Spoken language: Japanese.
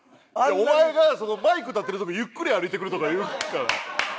お前がマイク立ってるとこゆっくり歩いてくるとか言うから。